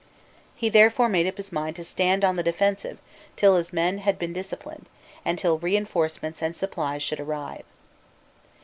He therefore made up his mind to stand on the defensive till his men had been disciplined, and till reinforcements and supplies should arrive.